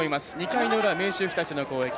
２回の裏、明秀日立の攻撃。